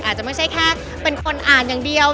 อาจจะไม่ใช่แค่เป็นคนอ่านอย่างเดียว